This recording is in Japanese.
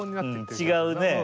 違うね。